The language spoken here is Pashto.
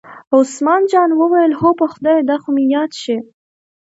عثمان جان وویل: هو په خدای دا خو مې یاد شي.